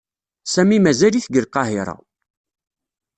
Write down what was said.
Sami mazal-it deg Lqahiṛa.